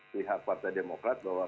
pihak partai demokrat bahwa